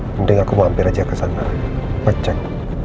mending aku mampir aja kesana mecek